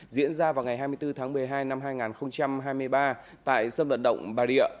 diễn ra vào ngày hai mươi bốn tháng một mươi hai năm hai nghìn hai mươi ba tại sân vận động bà địa